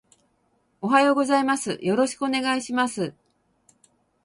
おはようございます。よろしくお願いします